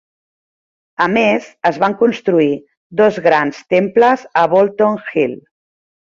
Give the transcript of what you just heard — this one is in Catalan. A més, es van construir dos grans temples a Bolton Hill.